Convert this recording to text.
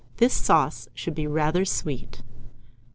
This sauce should be rather sweet.